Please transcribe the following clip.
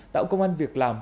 tạo công an việc làm